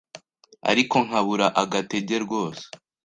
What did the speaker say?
ariko nkabura agatege rwose